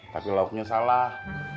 tapi lauknya salah